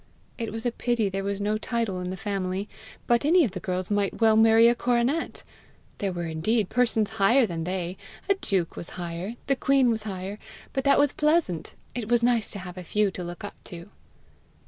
It was a pity there was no title in the family but any of the girls might well marry a coronet! There were indeed persons higher than they; a duke was higher; the queen was higher but that was pleasant! it was nice to have a few to look up to!